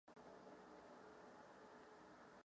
Používal řadu různých typů a značek nástrojů.